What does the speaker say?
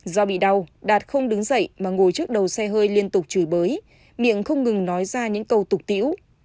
do bị đau đạt không đứng dậy mà ngồi trước đầu xe hơi liên tục chửi bới miệng không ngừng nói ra những câu tục tiễu